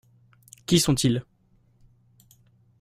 Qui sont-ils ?